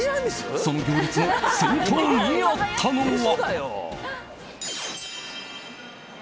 その行列の先頭にあったのは。